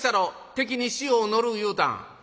『敵に塩を塗る』いうたん？」。